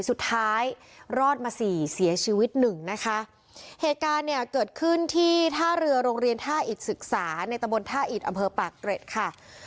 สุดท้ายรอดมาสี่เสียชีวิตหนึ่งนะคะเหตุการณ์เนี่ยเกิดขึ้นที่ท่าเรือโรงเรียนท่าอิตศึกษาในตะบนท่าอิดอำเภอปากเกร็ดค่ะ